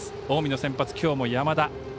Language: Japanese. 近江の先発、きょうも山田。